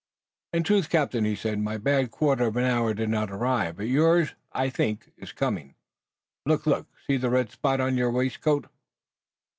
"In truth, captain," he said, "my bad quarter of an hour did not arrive, but yours, I think, is coming. Look! Look! See the red spot on your waistcoat!"